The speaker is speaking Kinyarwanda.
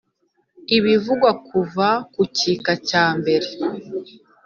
Ibivugwa kuva ku gika cya mbere